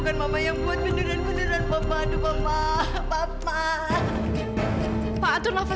sampai jumpa di video selanjutnya